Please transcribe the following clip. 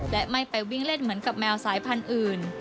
และไม่ไปวิ่งเล่นเหมือนกับแมวสายพันธุ์อื่น